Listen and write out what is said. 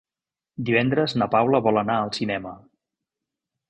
Divendres na Paula vol anar al cinema.